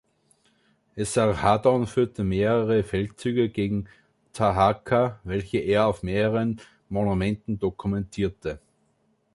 Esarhaddon führte mehrere Feldzüge gegen Taharqa, welche er auf mehreren Monumenten dokumentierte.